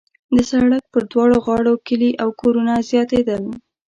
د سړک پر دواړو غاړو کلي او کورونه زیاتېدل.